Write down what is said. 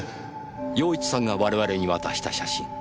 陽一さんが我々に渡した写真。